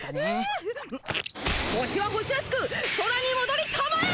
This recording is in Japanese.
星は星らしく空にもどりたまえ！